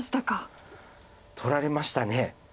取られました。